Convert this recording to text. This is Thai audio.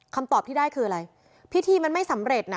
คำตอบที่ได้คืออะไรพิธีมันไม่สำเร็จน่ะ